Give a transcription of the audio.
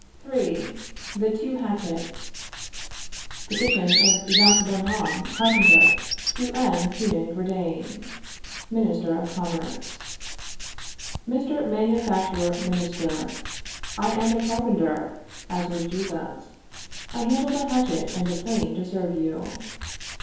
III. THE TWO HATCHETS. Petition of Jacques Bonhomme, Carpenter, to M. Cunin Gridaine, Minister of Commerce. MR. MANUFACTURER MINISTER: I am a carpenter, as was Jesus; I handle the hatchet and the plane to serve you.